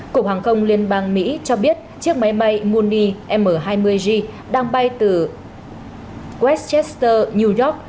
cục hàng công liên bang mỹ cho biết chiếc máy bay mooney m hai mươi g đang bay từ westchester new york